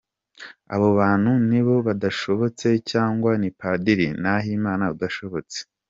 Abo bantu nibo badashobotse cyangwa ni Padiri Nahimana udashobotse?